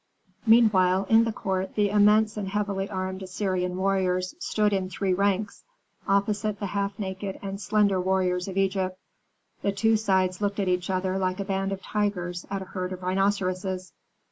Meanwhile, in the court the immense and heavily armed Assyrian warriors stood in three ranks, opposite the half naked and slender warriors of Egypt. The two sides looked at each other like a band of tigers at a herd of rhinoceroses.